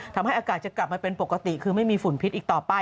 อากาศจะกลับมาเป็นปกติคือไม่มีฝุ่นพิษอีกต่อไป